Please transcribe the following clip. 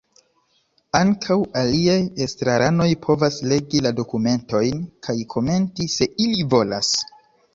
Ankaŭ aliaj estraranoj povas legi la dokumentojn kaj komenti, se ili volas.